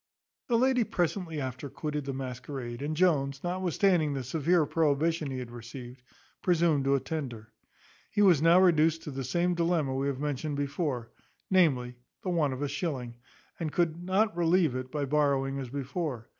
The lady presently after quitted the masquerade, and Jones, notwithstanding the severe prohibition he had received, presumed to attend her. He was now reduced to the same dilemma we have mentioned before, namely, the want of a shilling, and could not relieve it by borrowing as before.